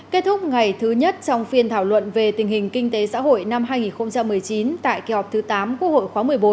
kết thúc ngày thứ nhất trong phiên thảo luận về tình hình kinh tế xã hội năm hai nghìn một mươi chín tại kỳ họp thứ tám quốc hội khóa một mươi bốn